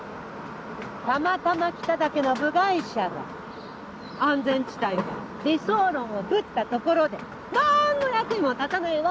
たまたま来ただけの部外者が安全地帯から理想論をぶったところで何の役にも立たないわ。